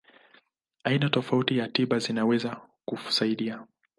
Aina tofauti za tiba zinaweza kusaidia.